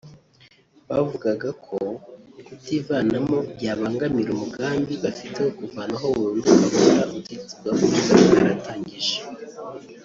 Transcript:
Bavugaga ko kutivanamo byabangamira umugambi bafite wo kuvanaho burundu gahunda ubutegetsi bwa Obama bwari bwaratangije